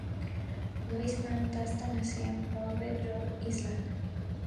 Lois Ann Testa nació en Pawtucket, Rhode Island.